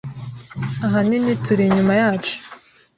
ahanini turi inyuma yacu.